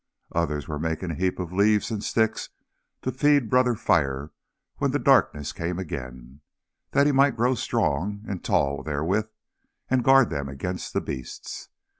Others were making a heap of leaves and sticks to feed Brother Fire when the darkness came again, that he might grow strong and tall therewith, and guard them against the beasts.